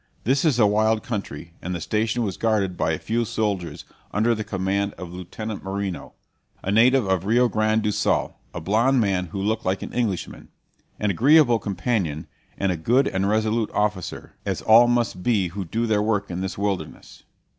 This is a wild country, and the station was guarded by a few soldiers under the command of Lieutenant Marino, a native of Rio Grande do Sul, a blond man who looked like an Englishman an agreeable companion, and a good and resolute officer, as all must be who do their work in this wilderness.